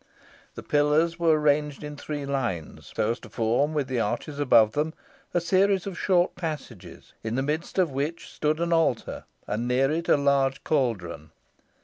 The pillars were ranged in three lines, so as to form, with the arches above them, a series of short passages, in the midst of which stood an altar, and near it a large caldron.